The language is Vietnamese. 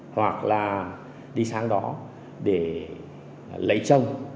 hoặc là đi sang đó để lấy chồng